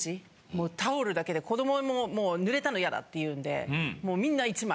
もうタオルだけで子どもはもう濡れたの嫌だって言うんでもうみんな１枚。